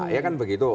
iya kan begitu